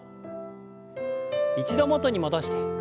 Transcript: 一度元に戻して。